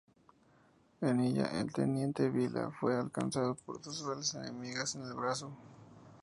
En ella, el teniente Vila fue alcanzado por dos balas enemigas en el brazo.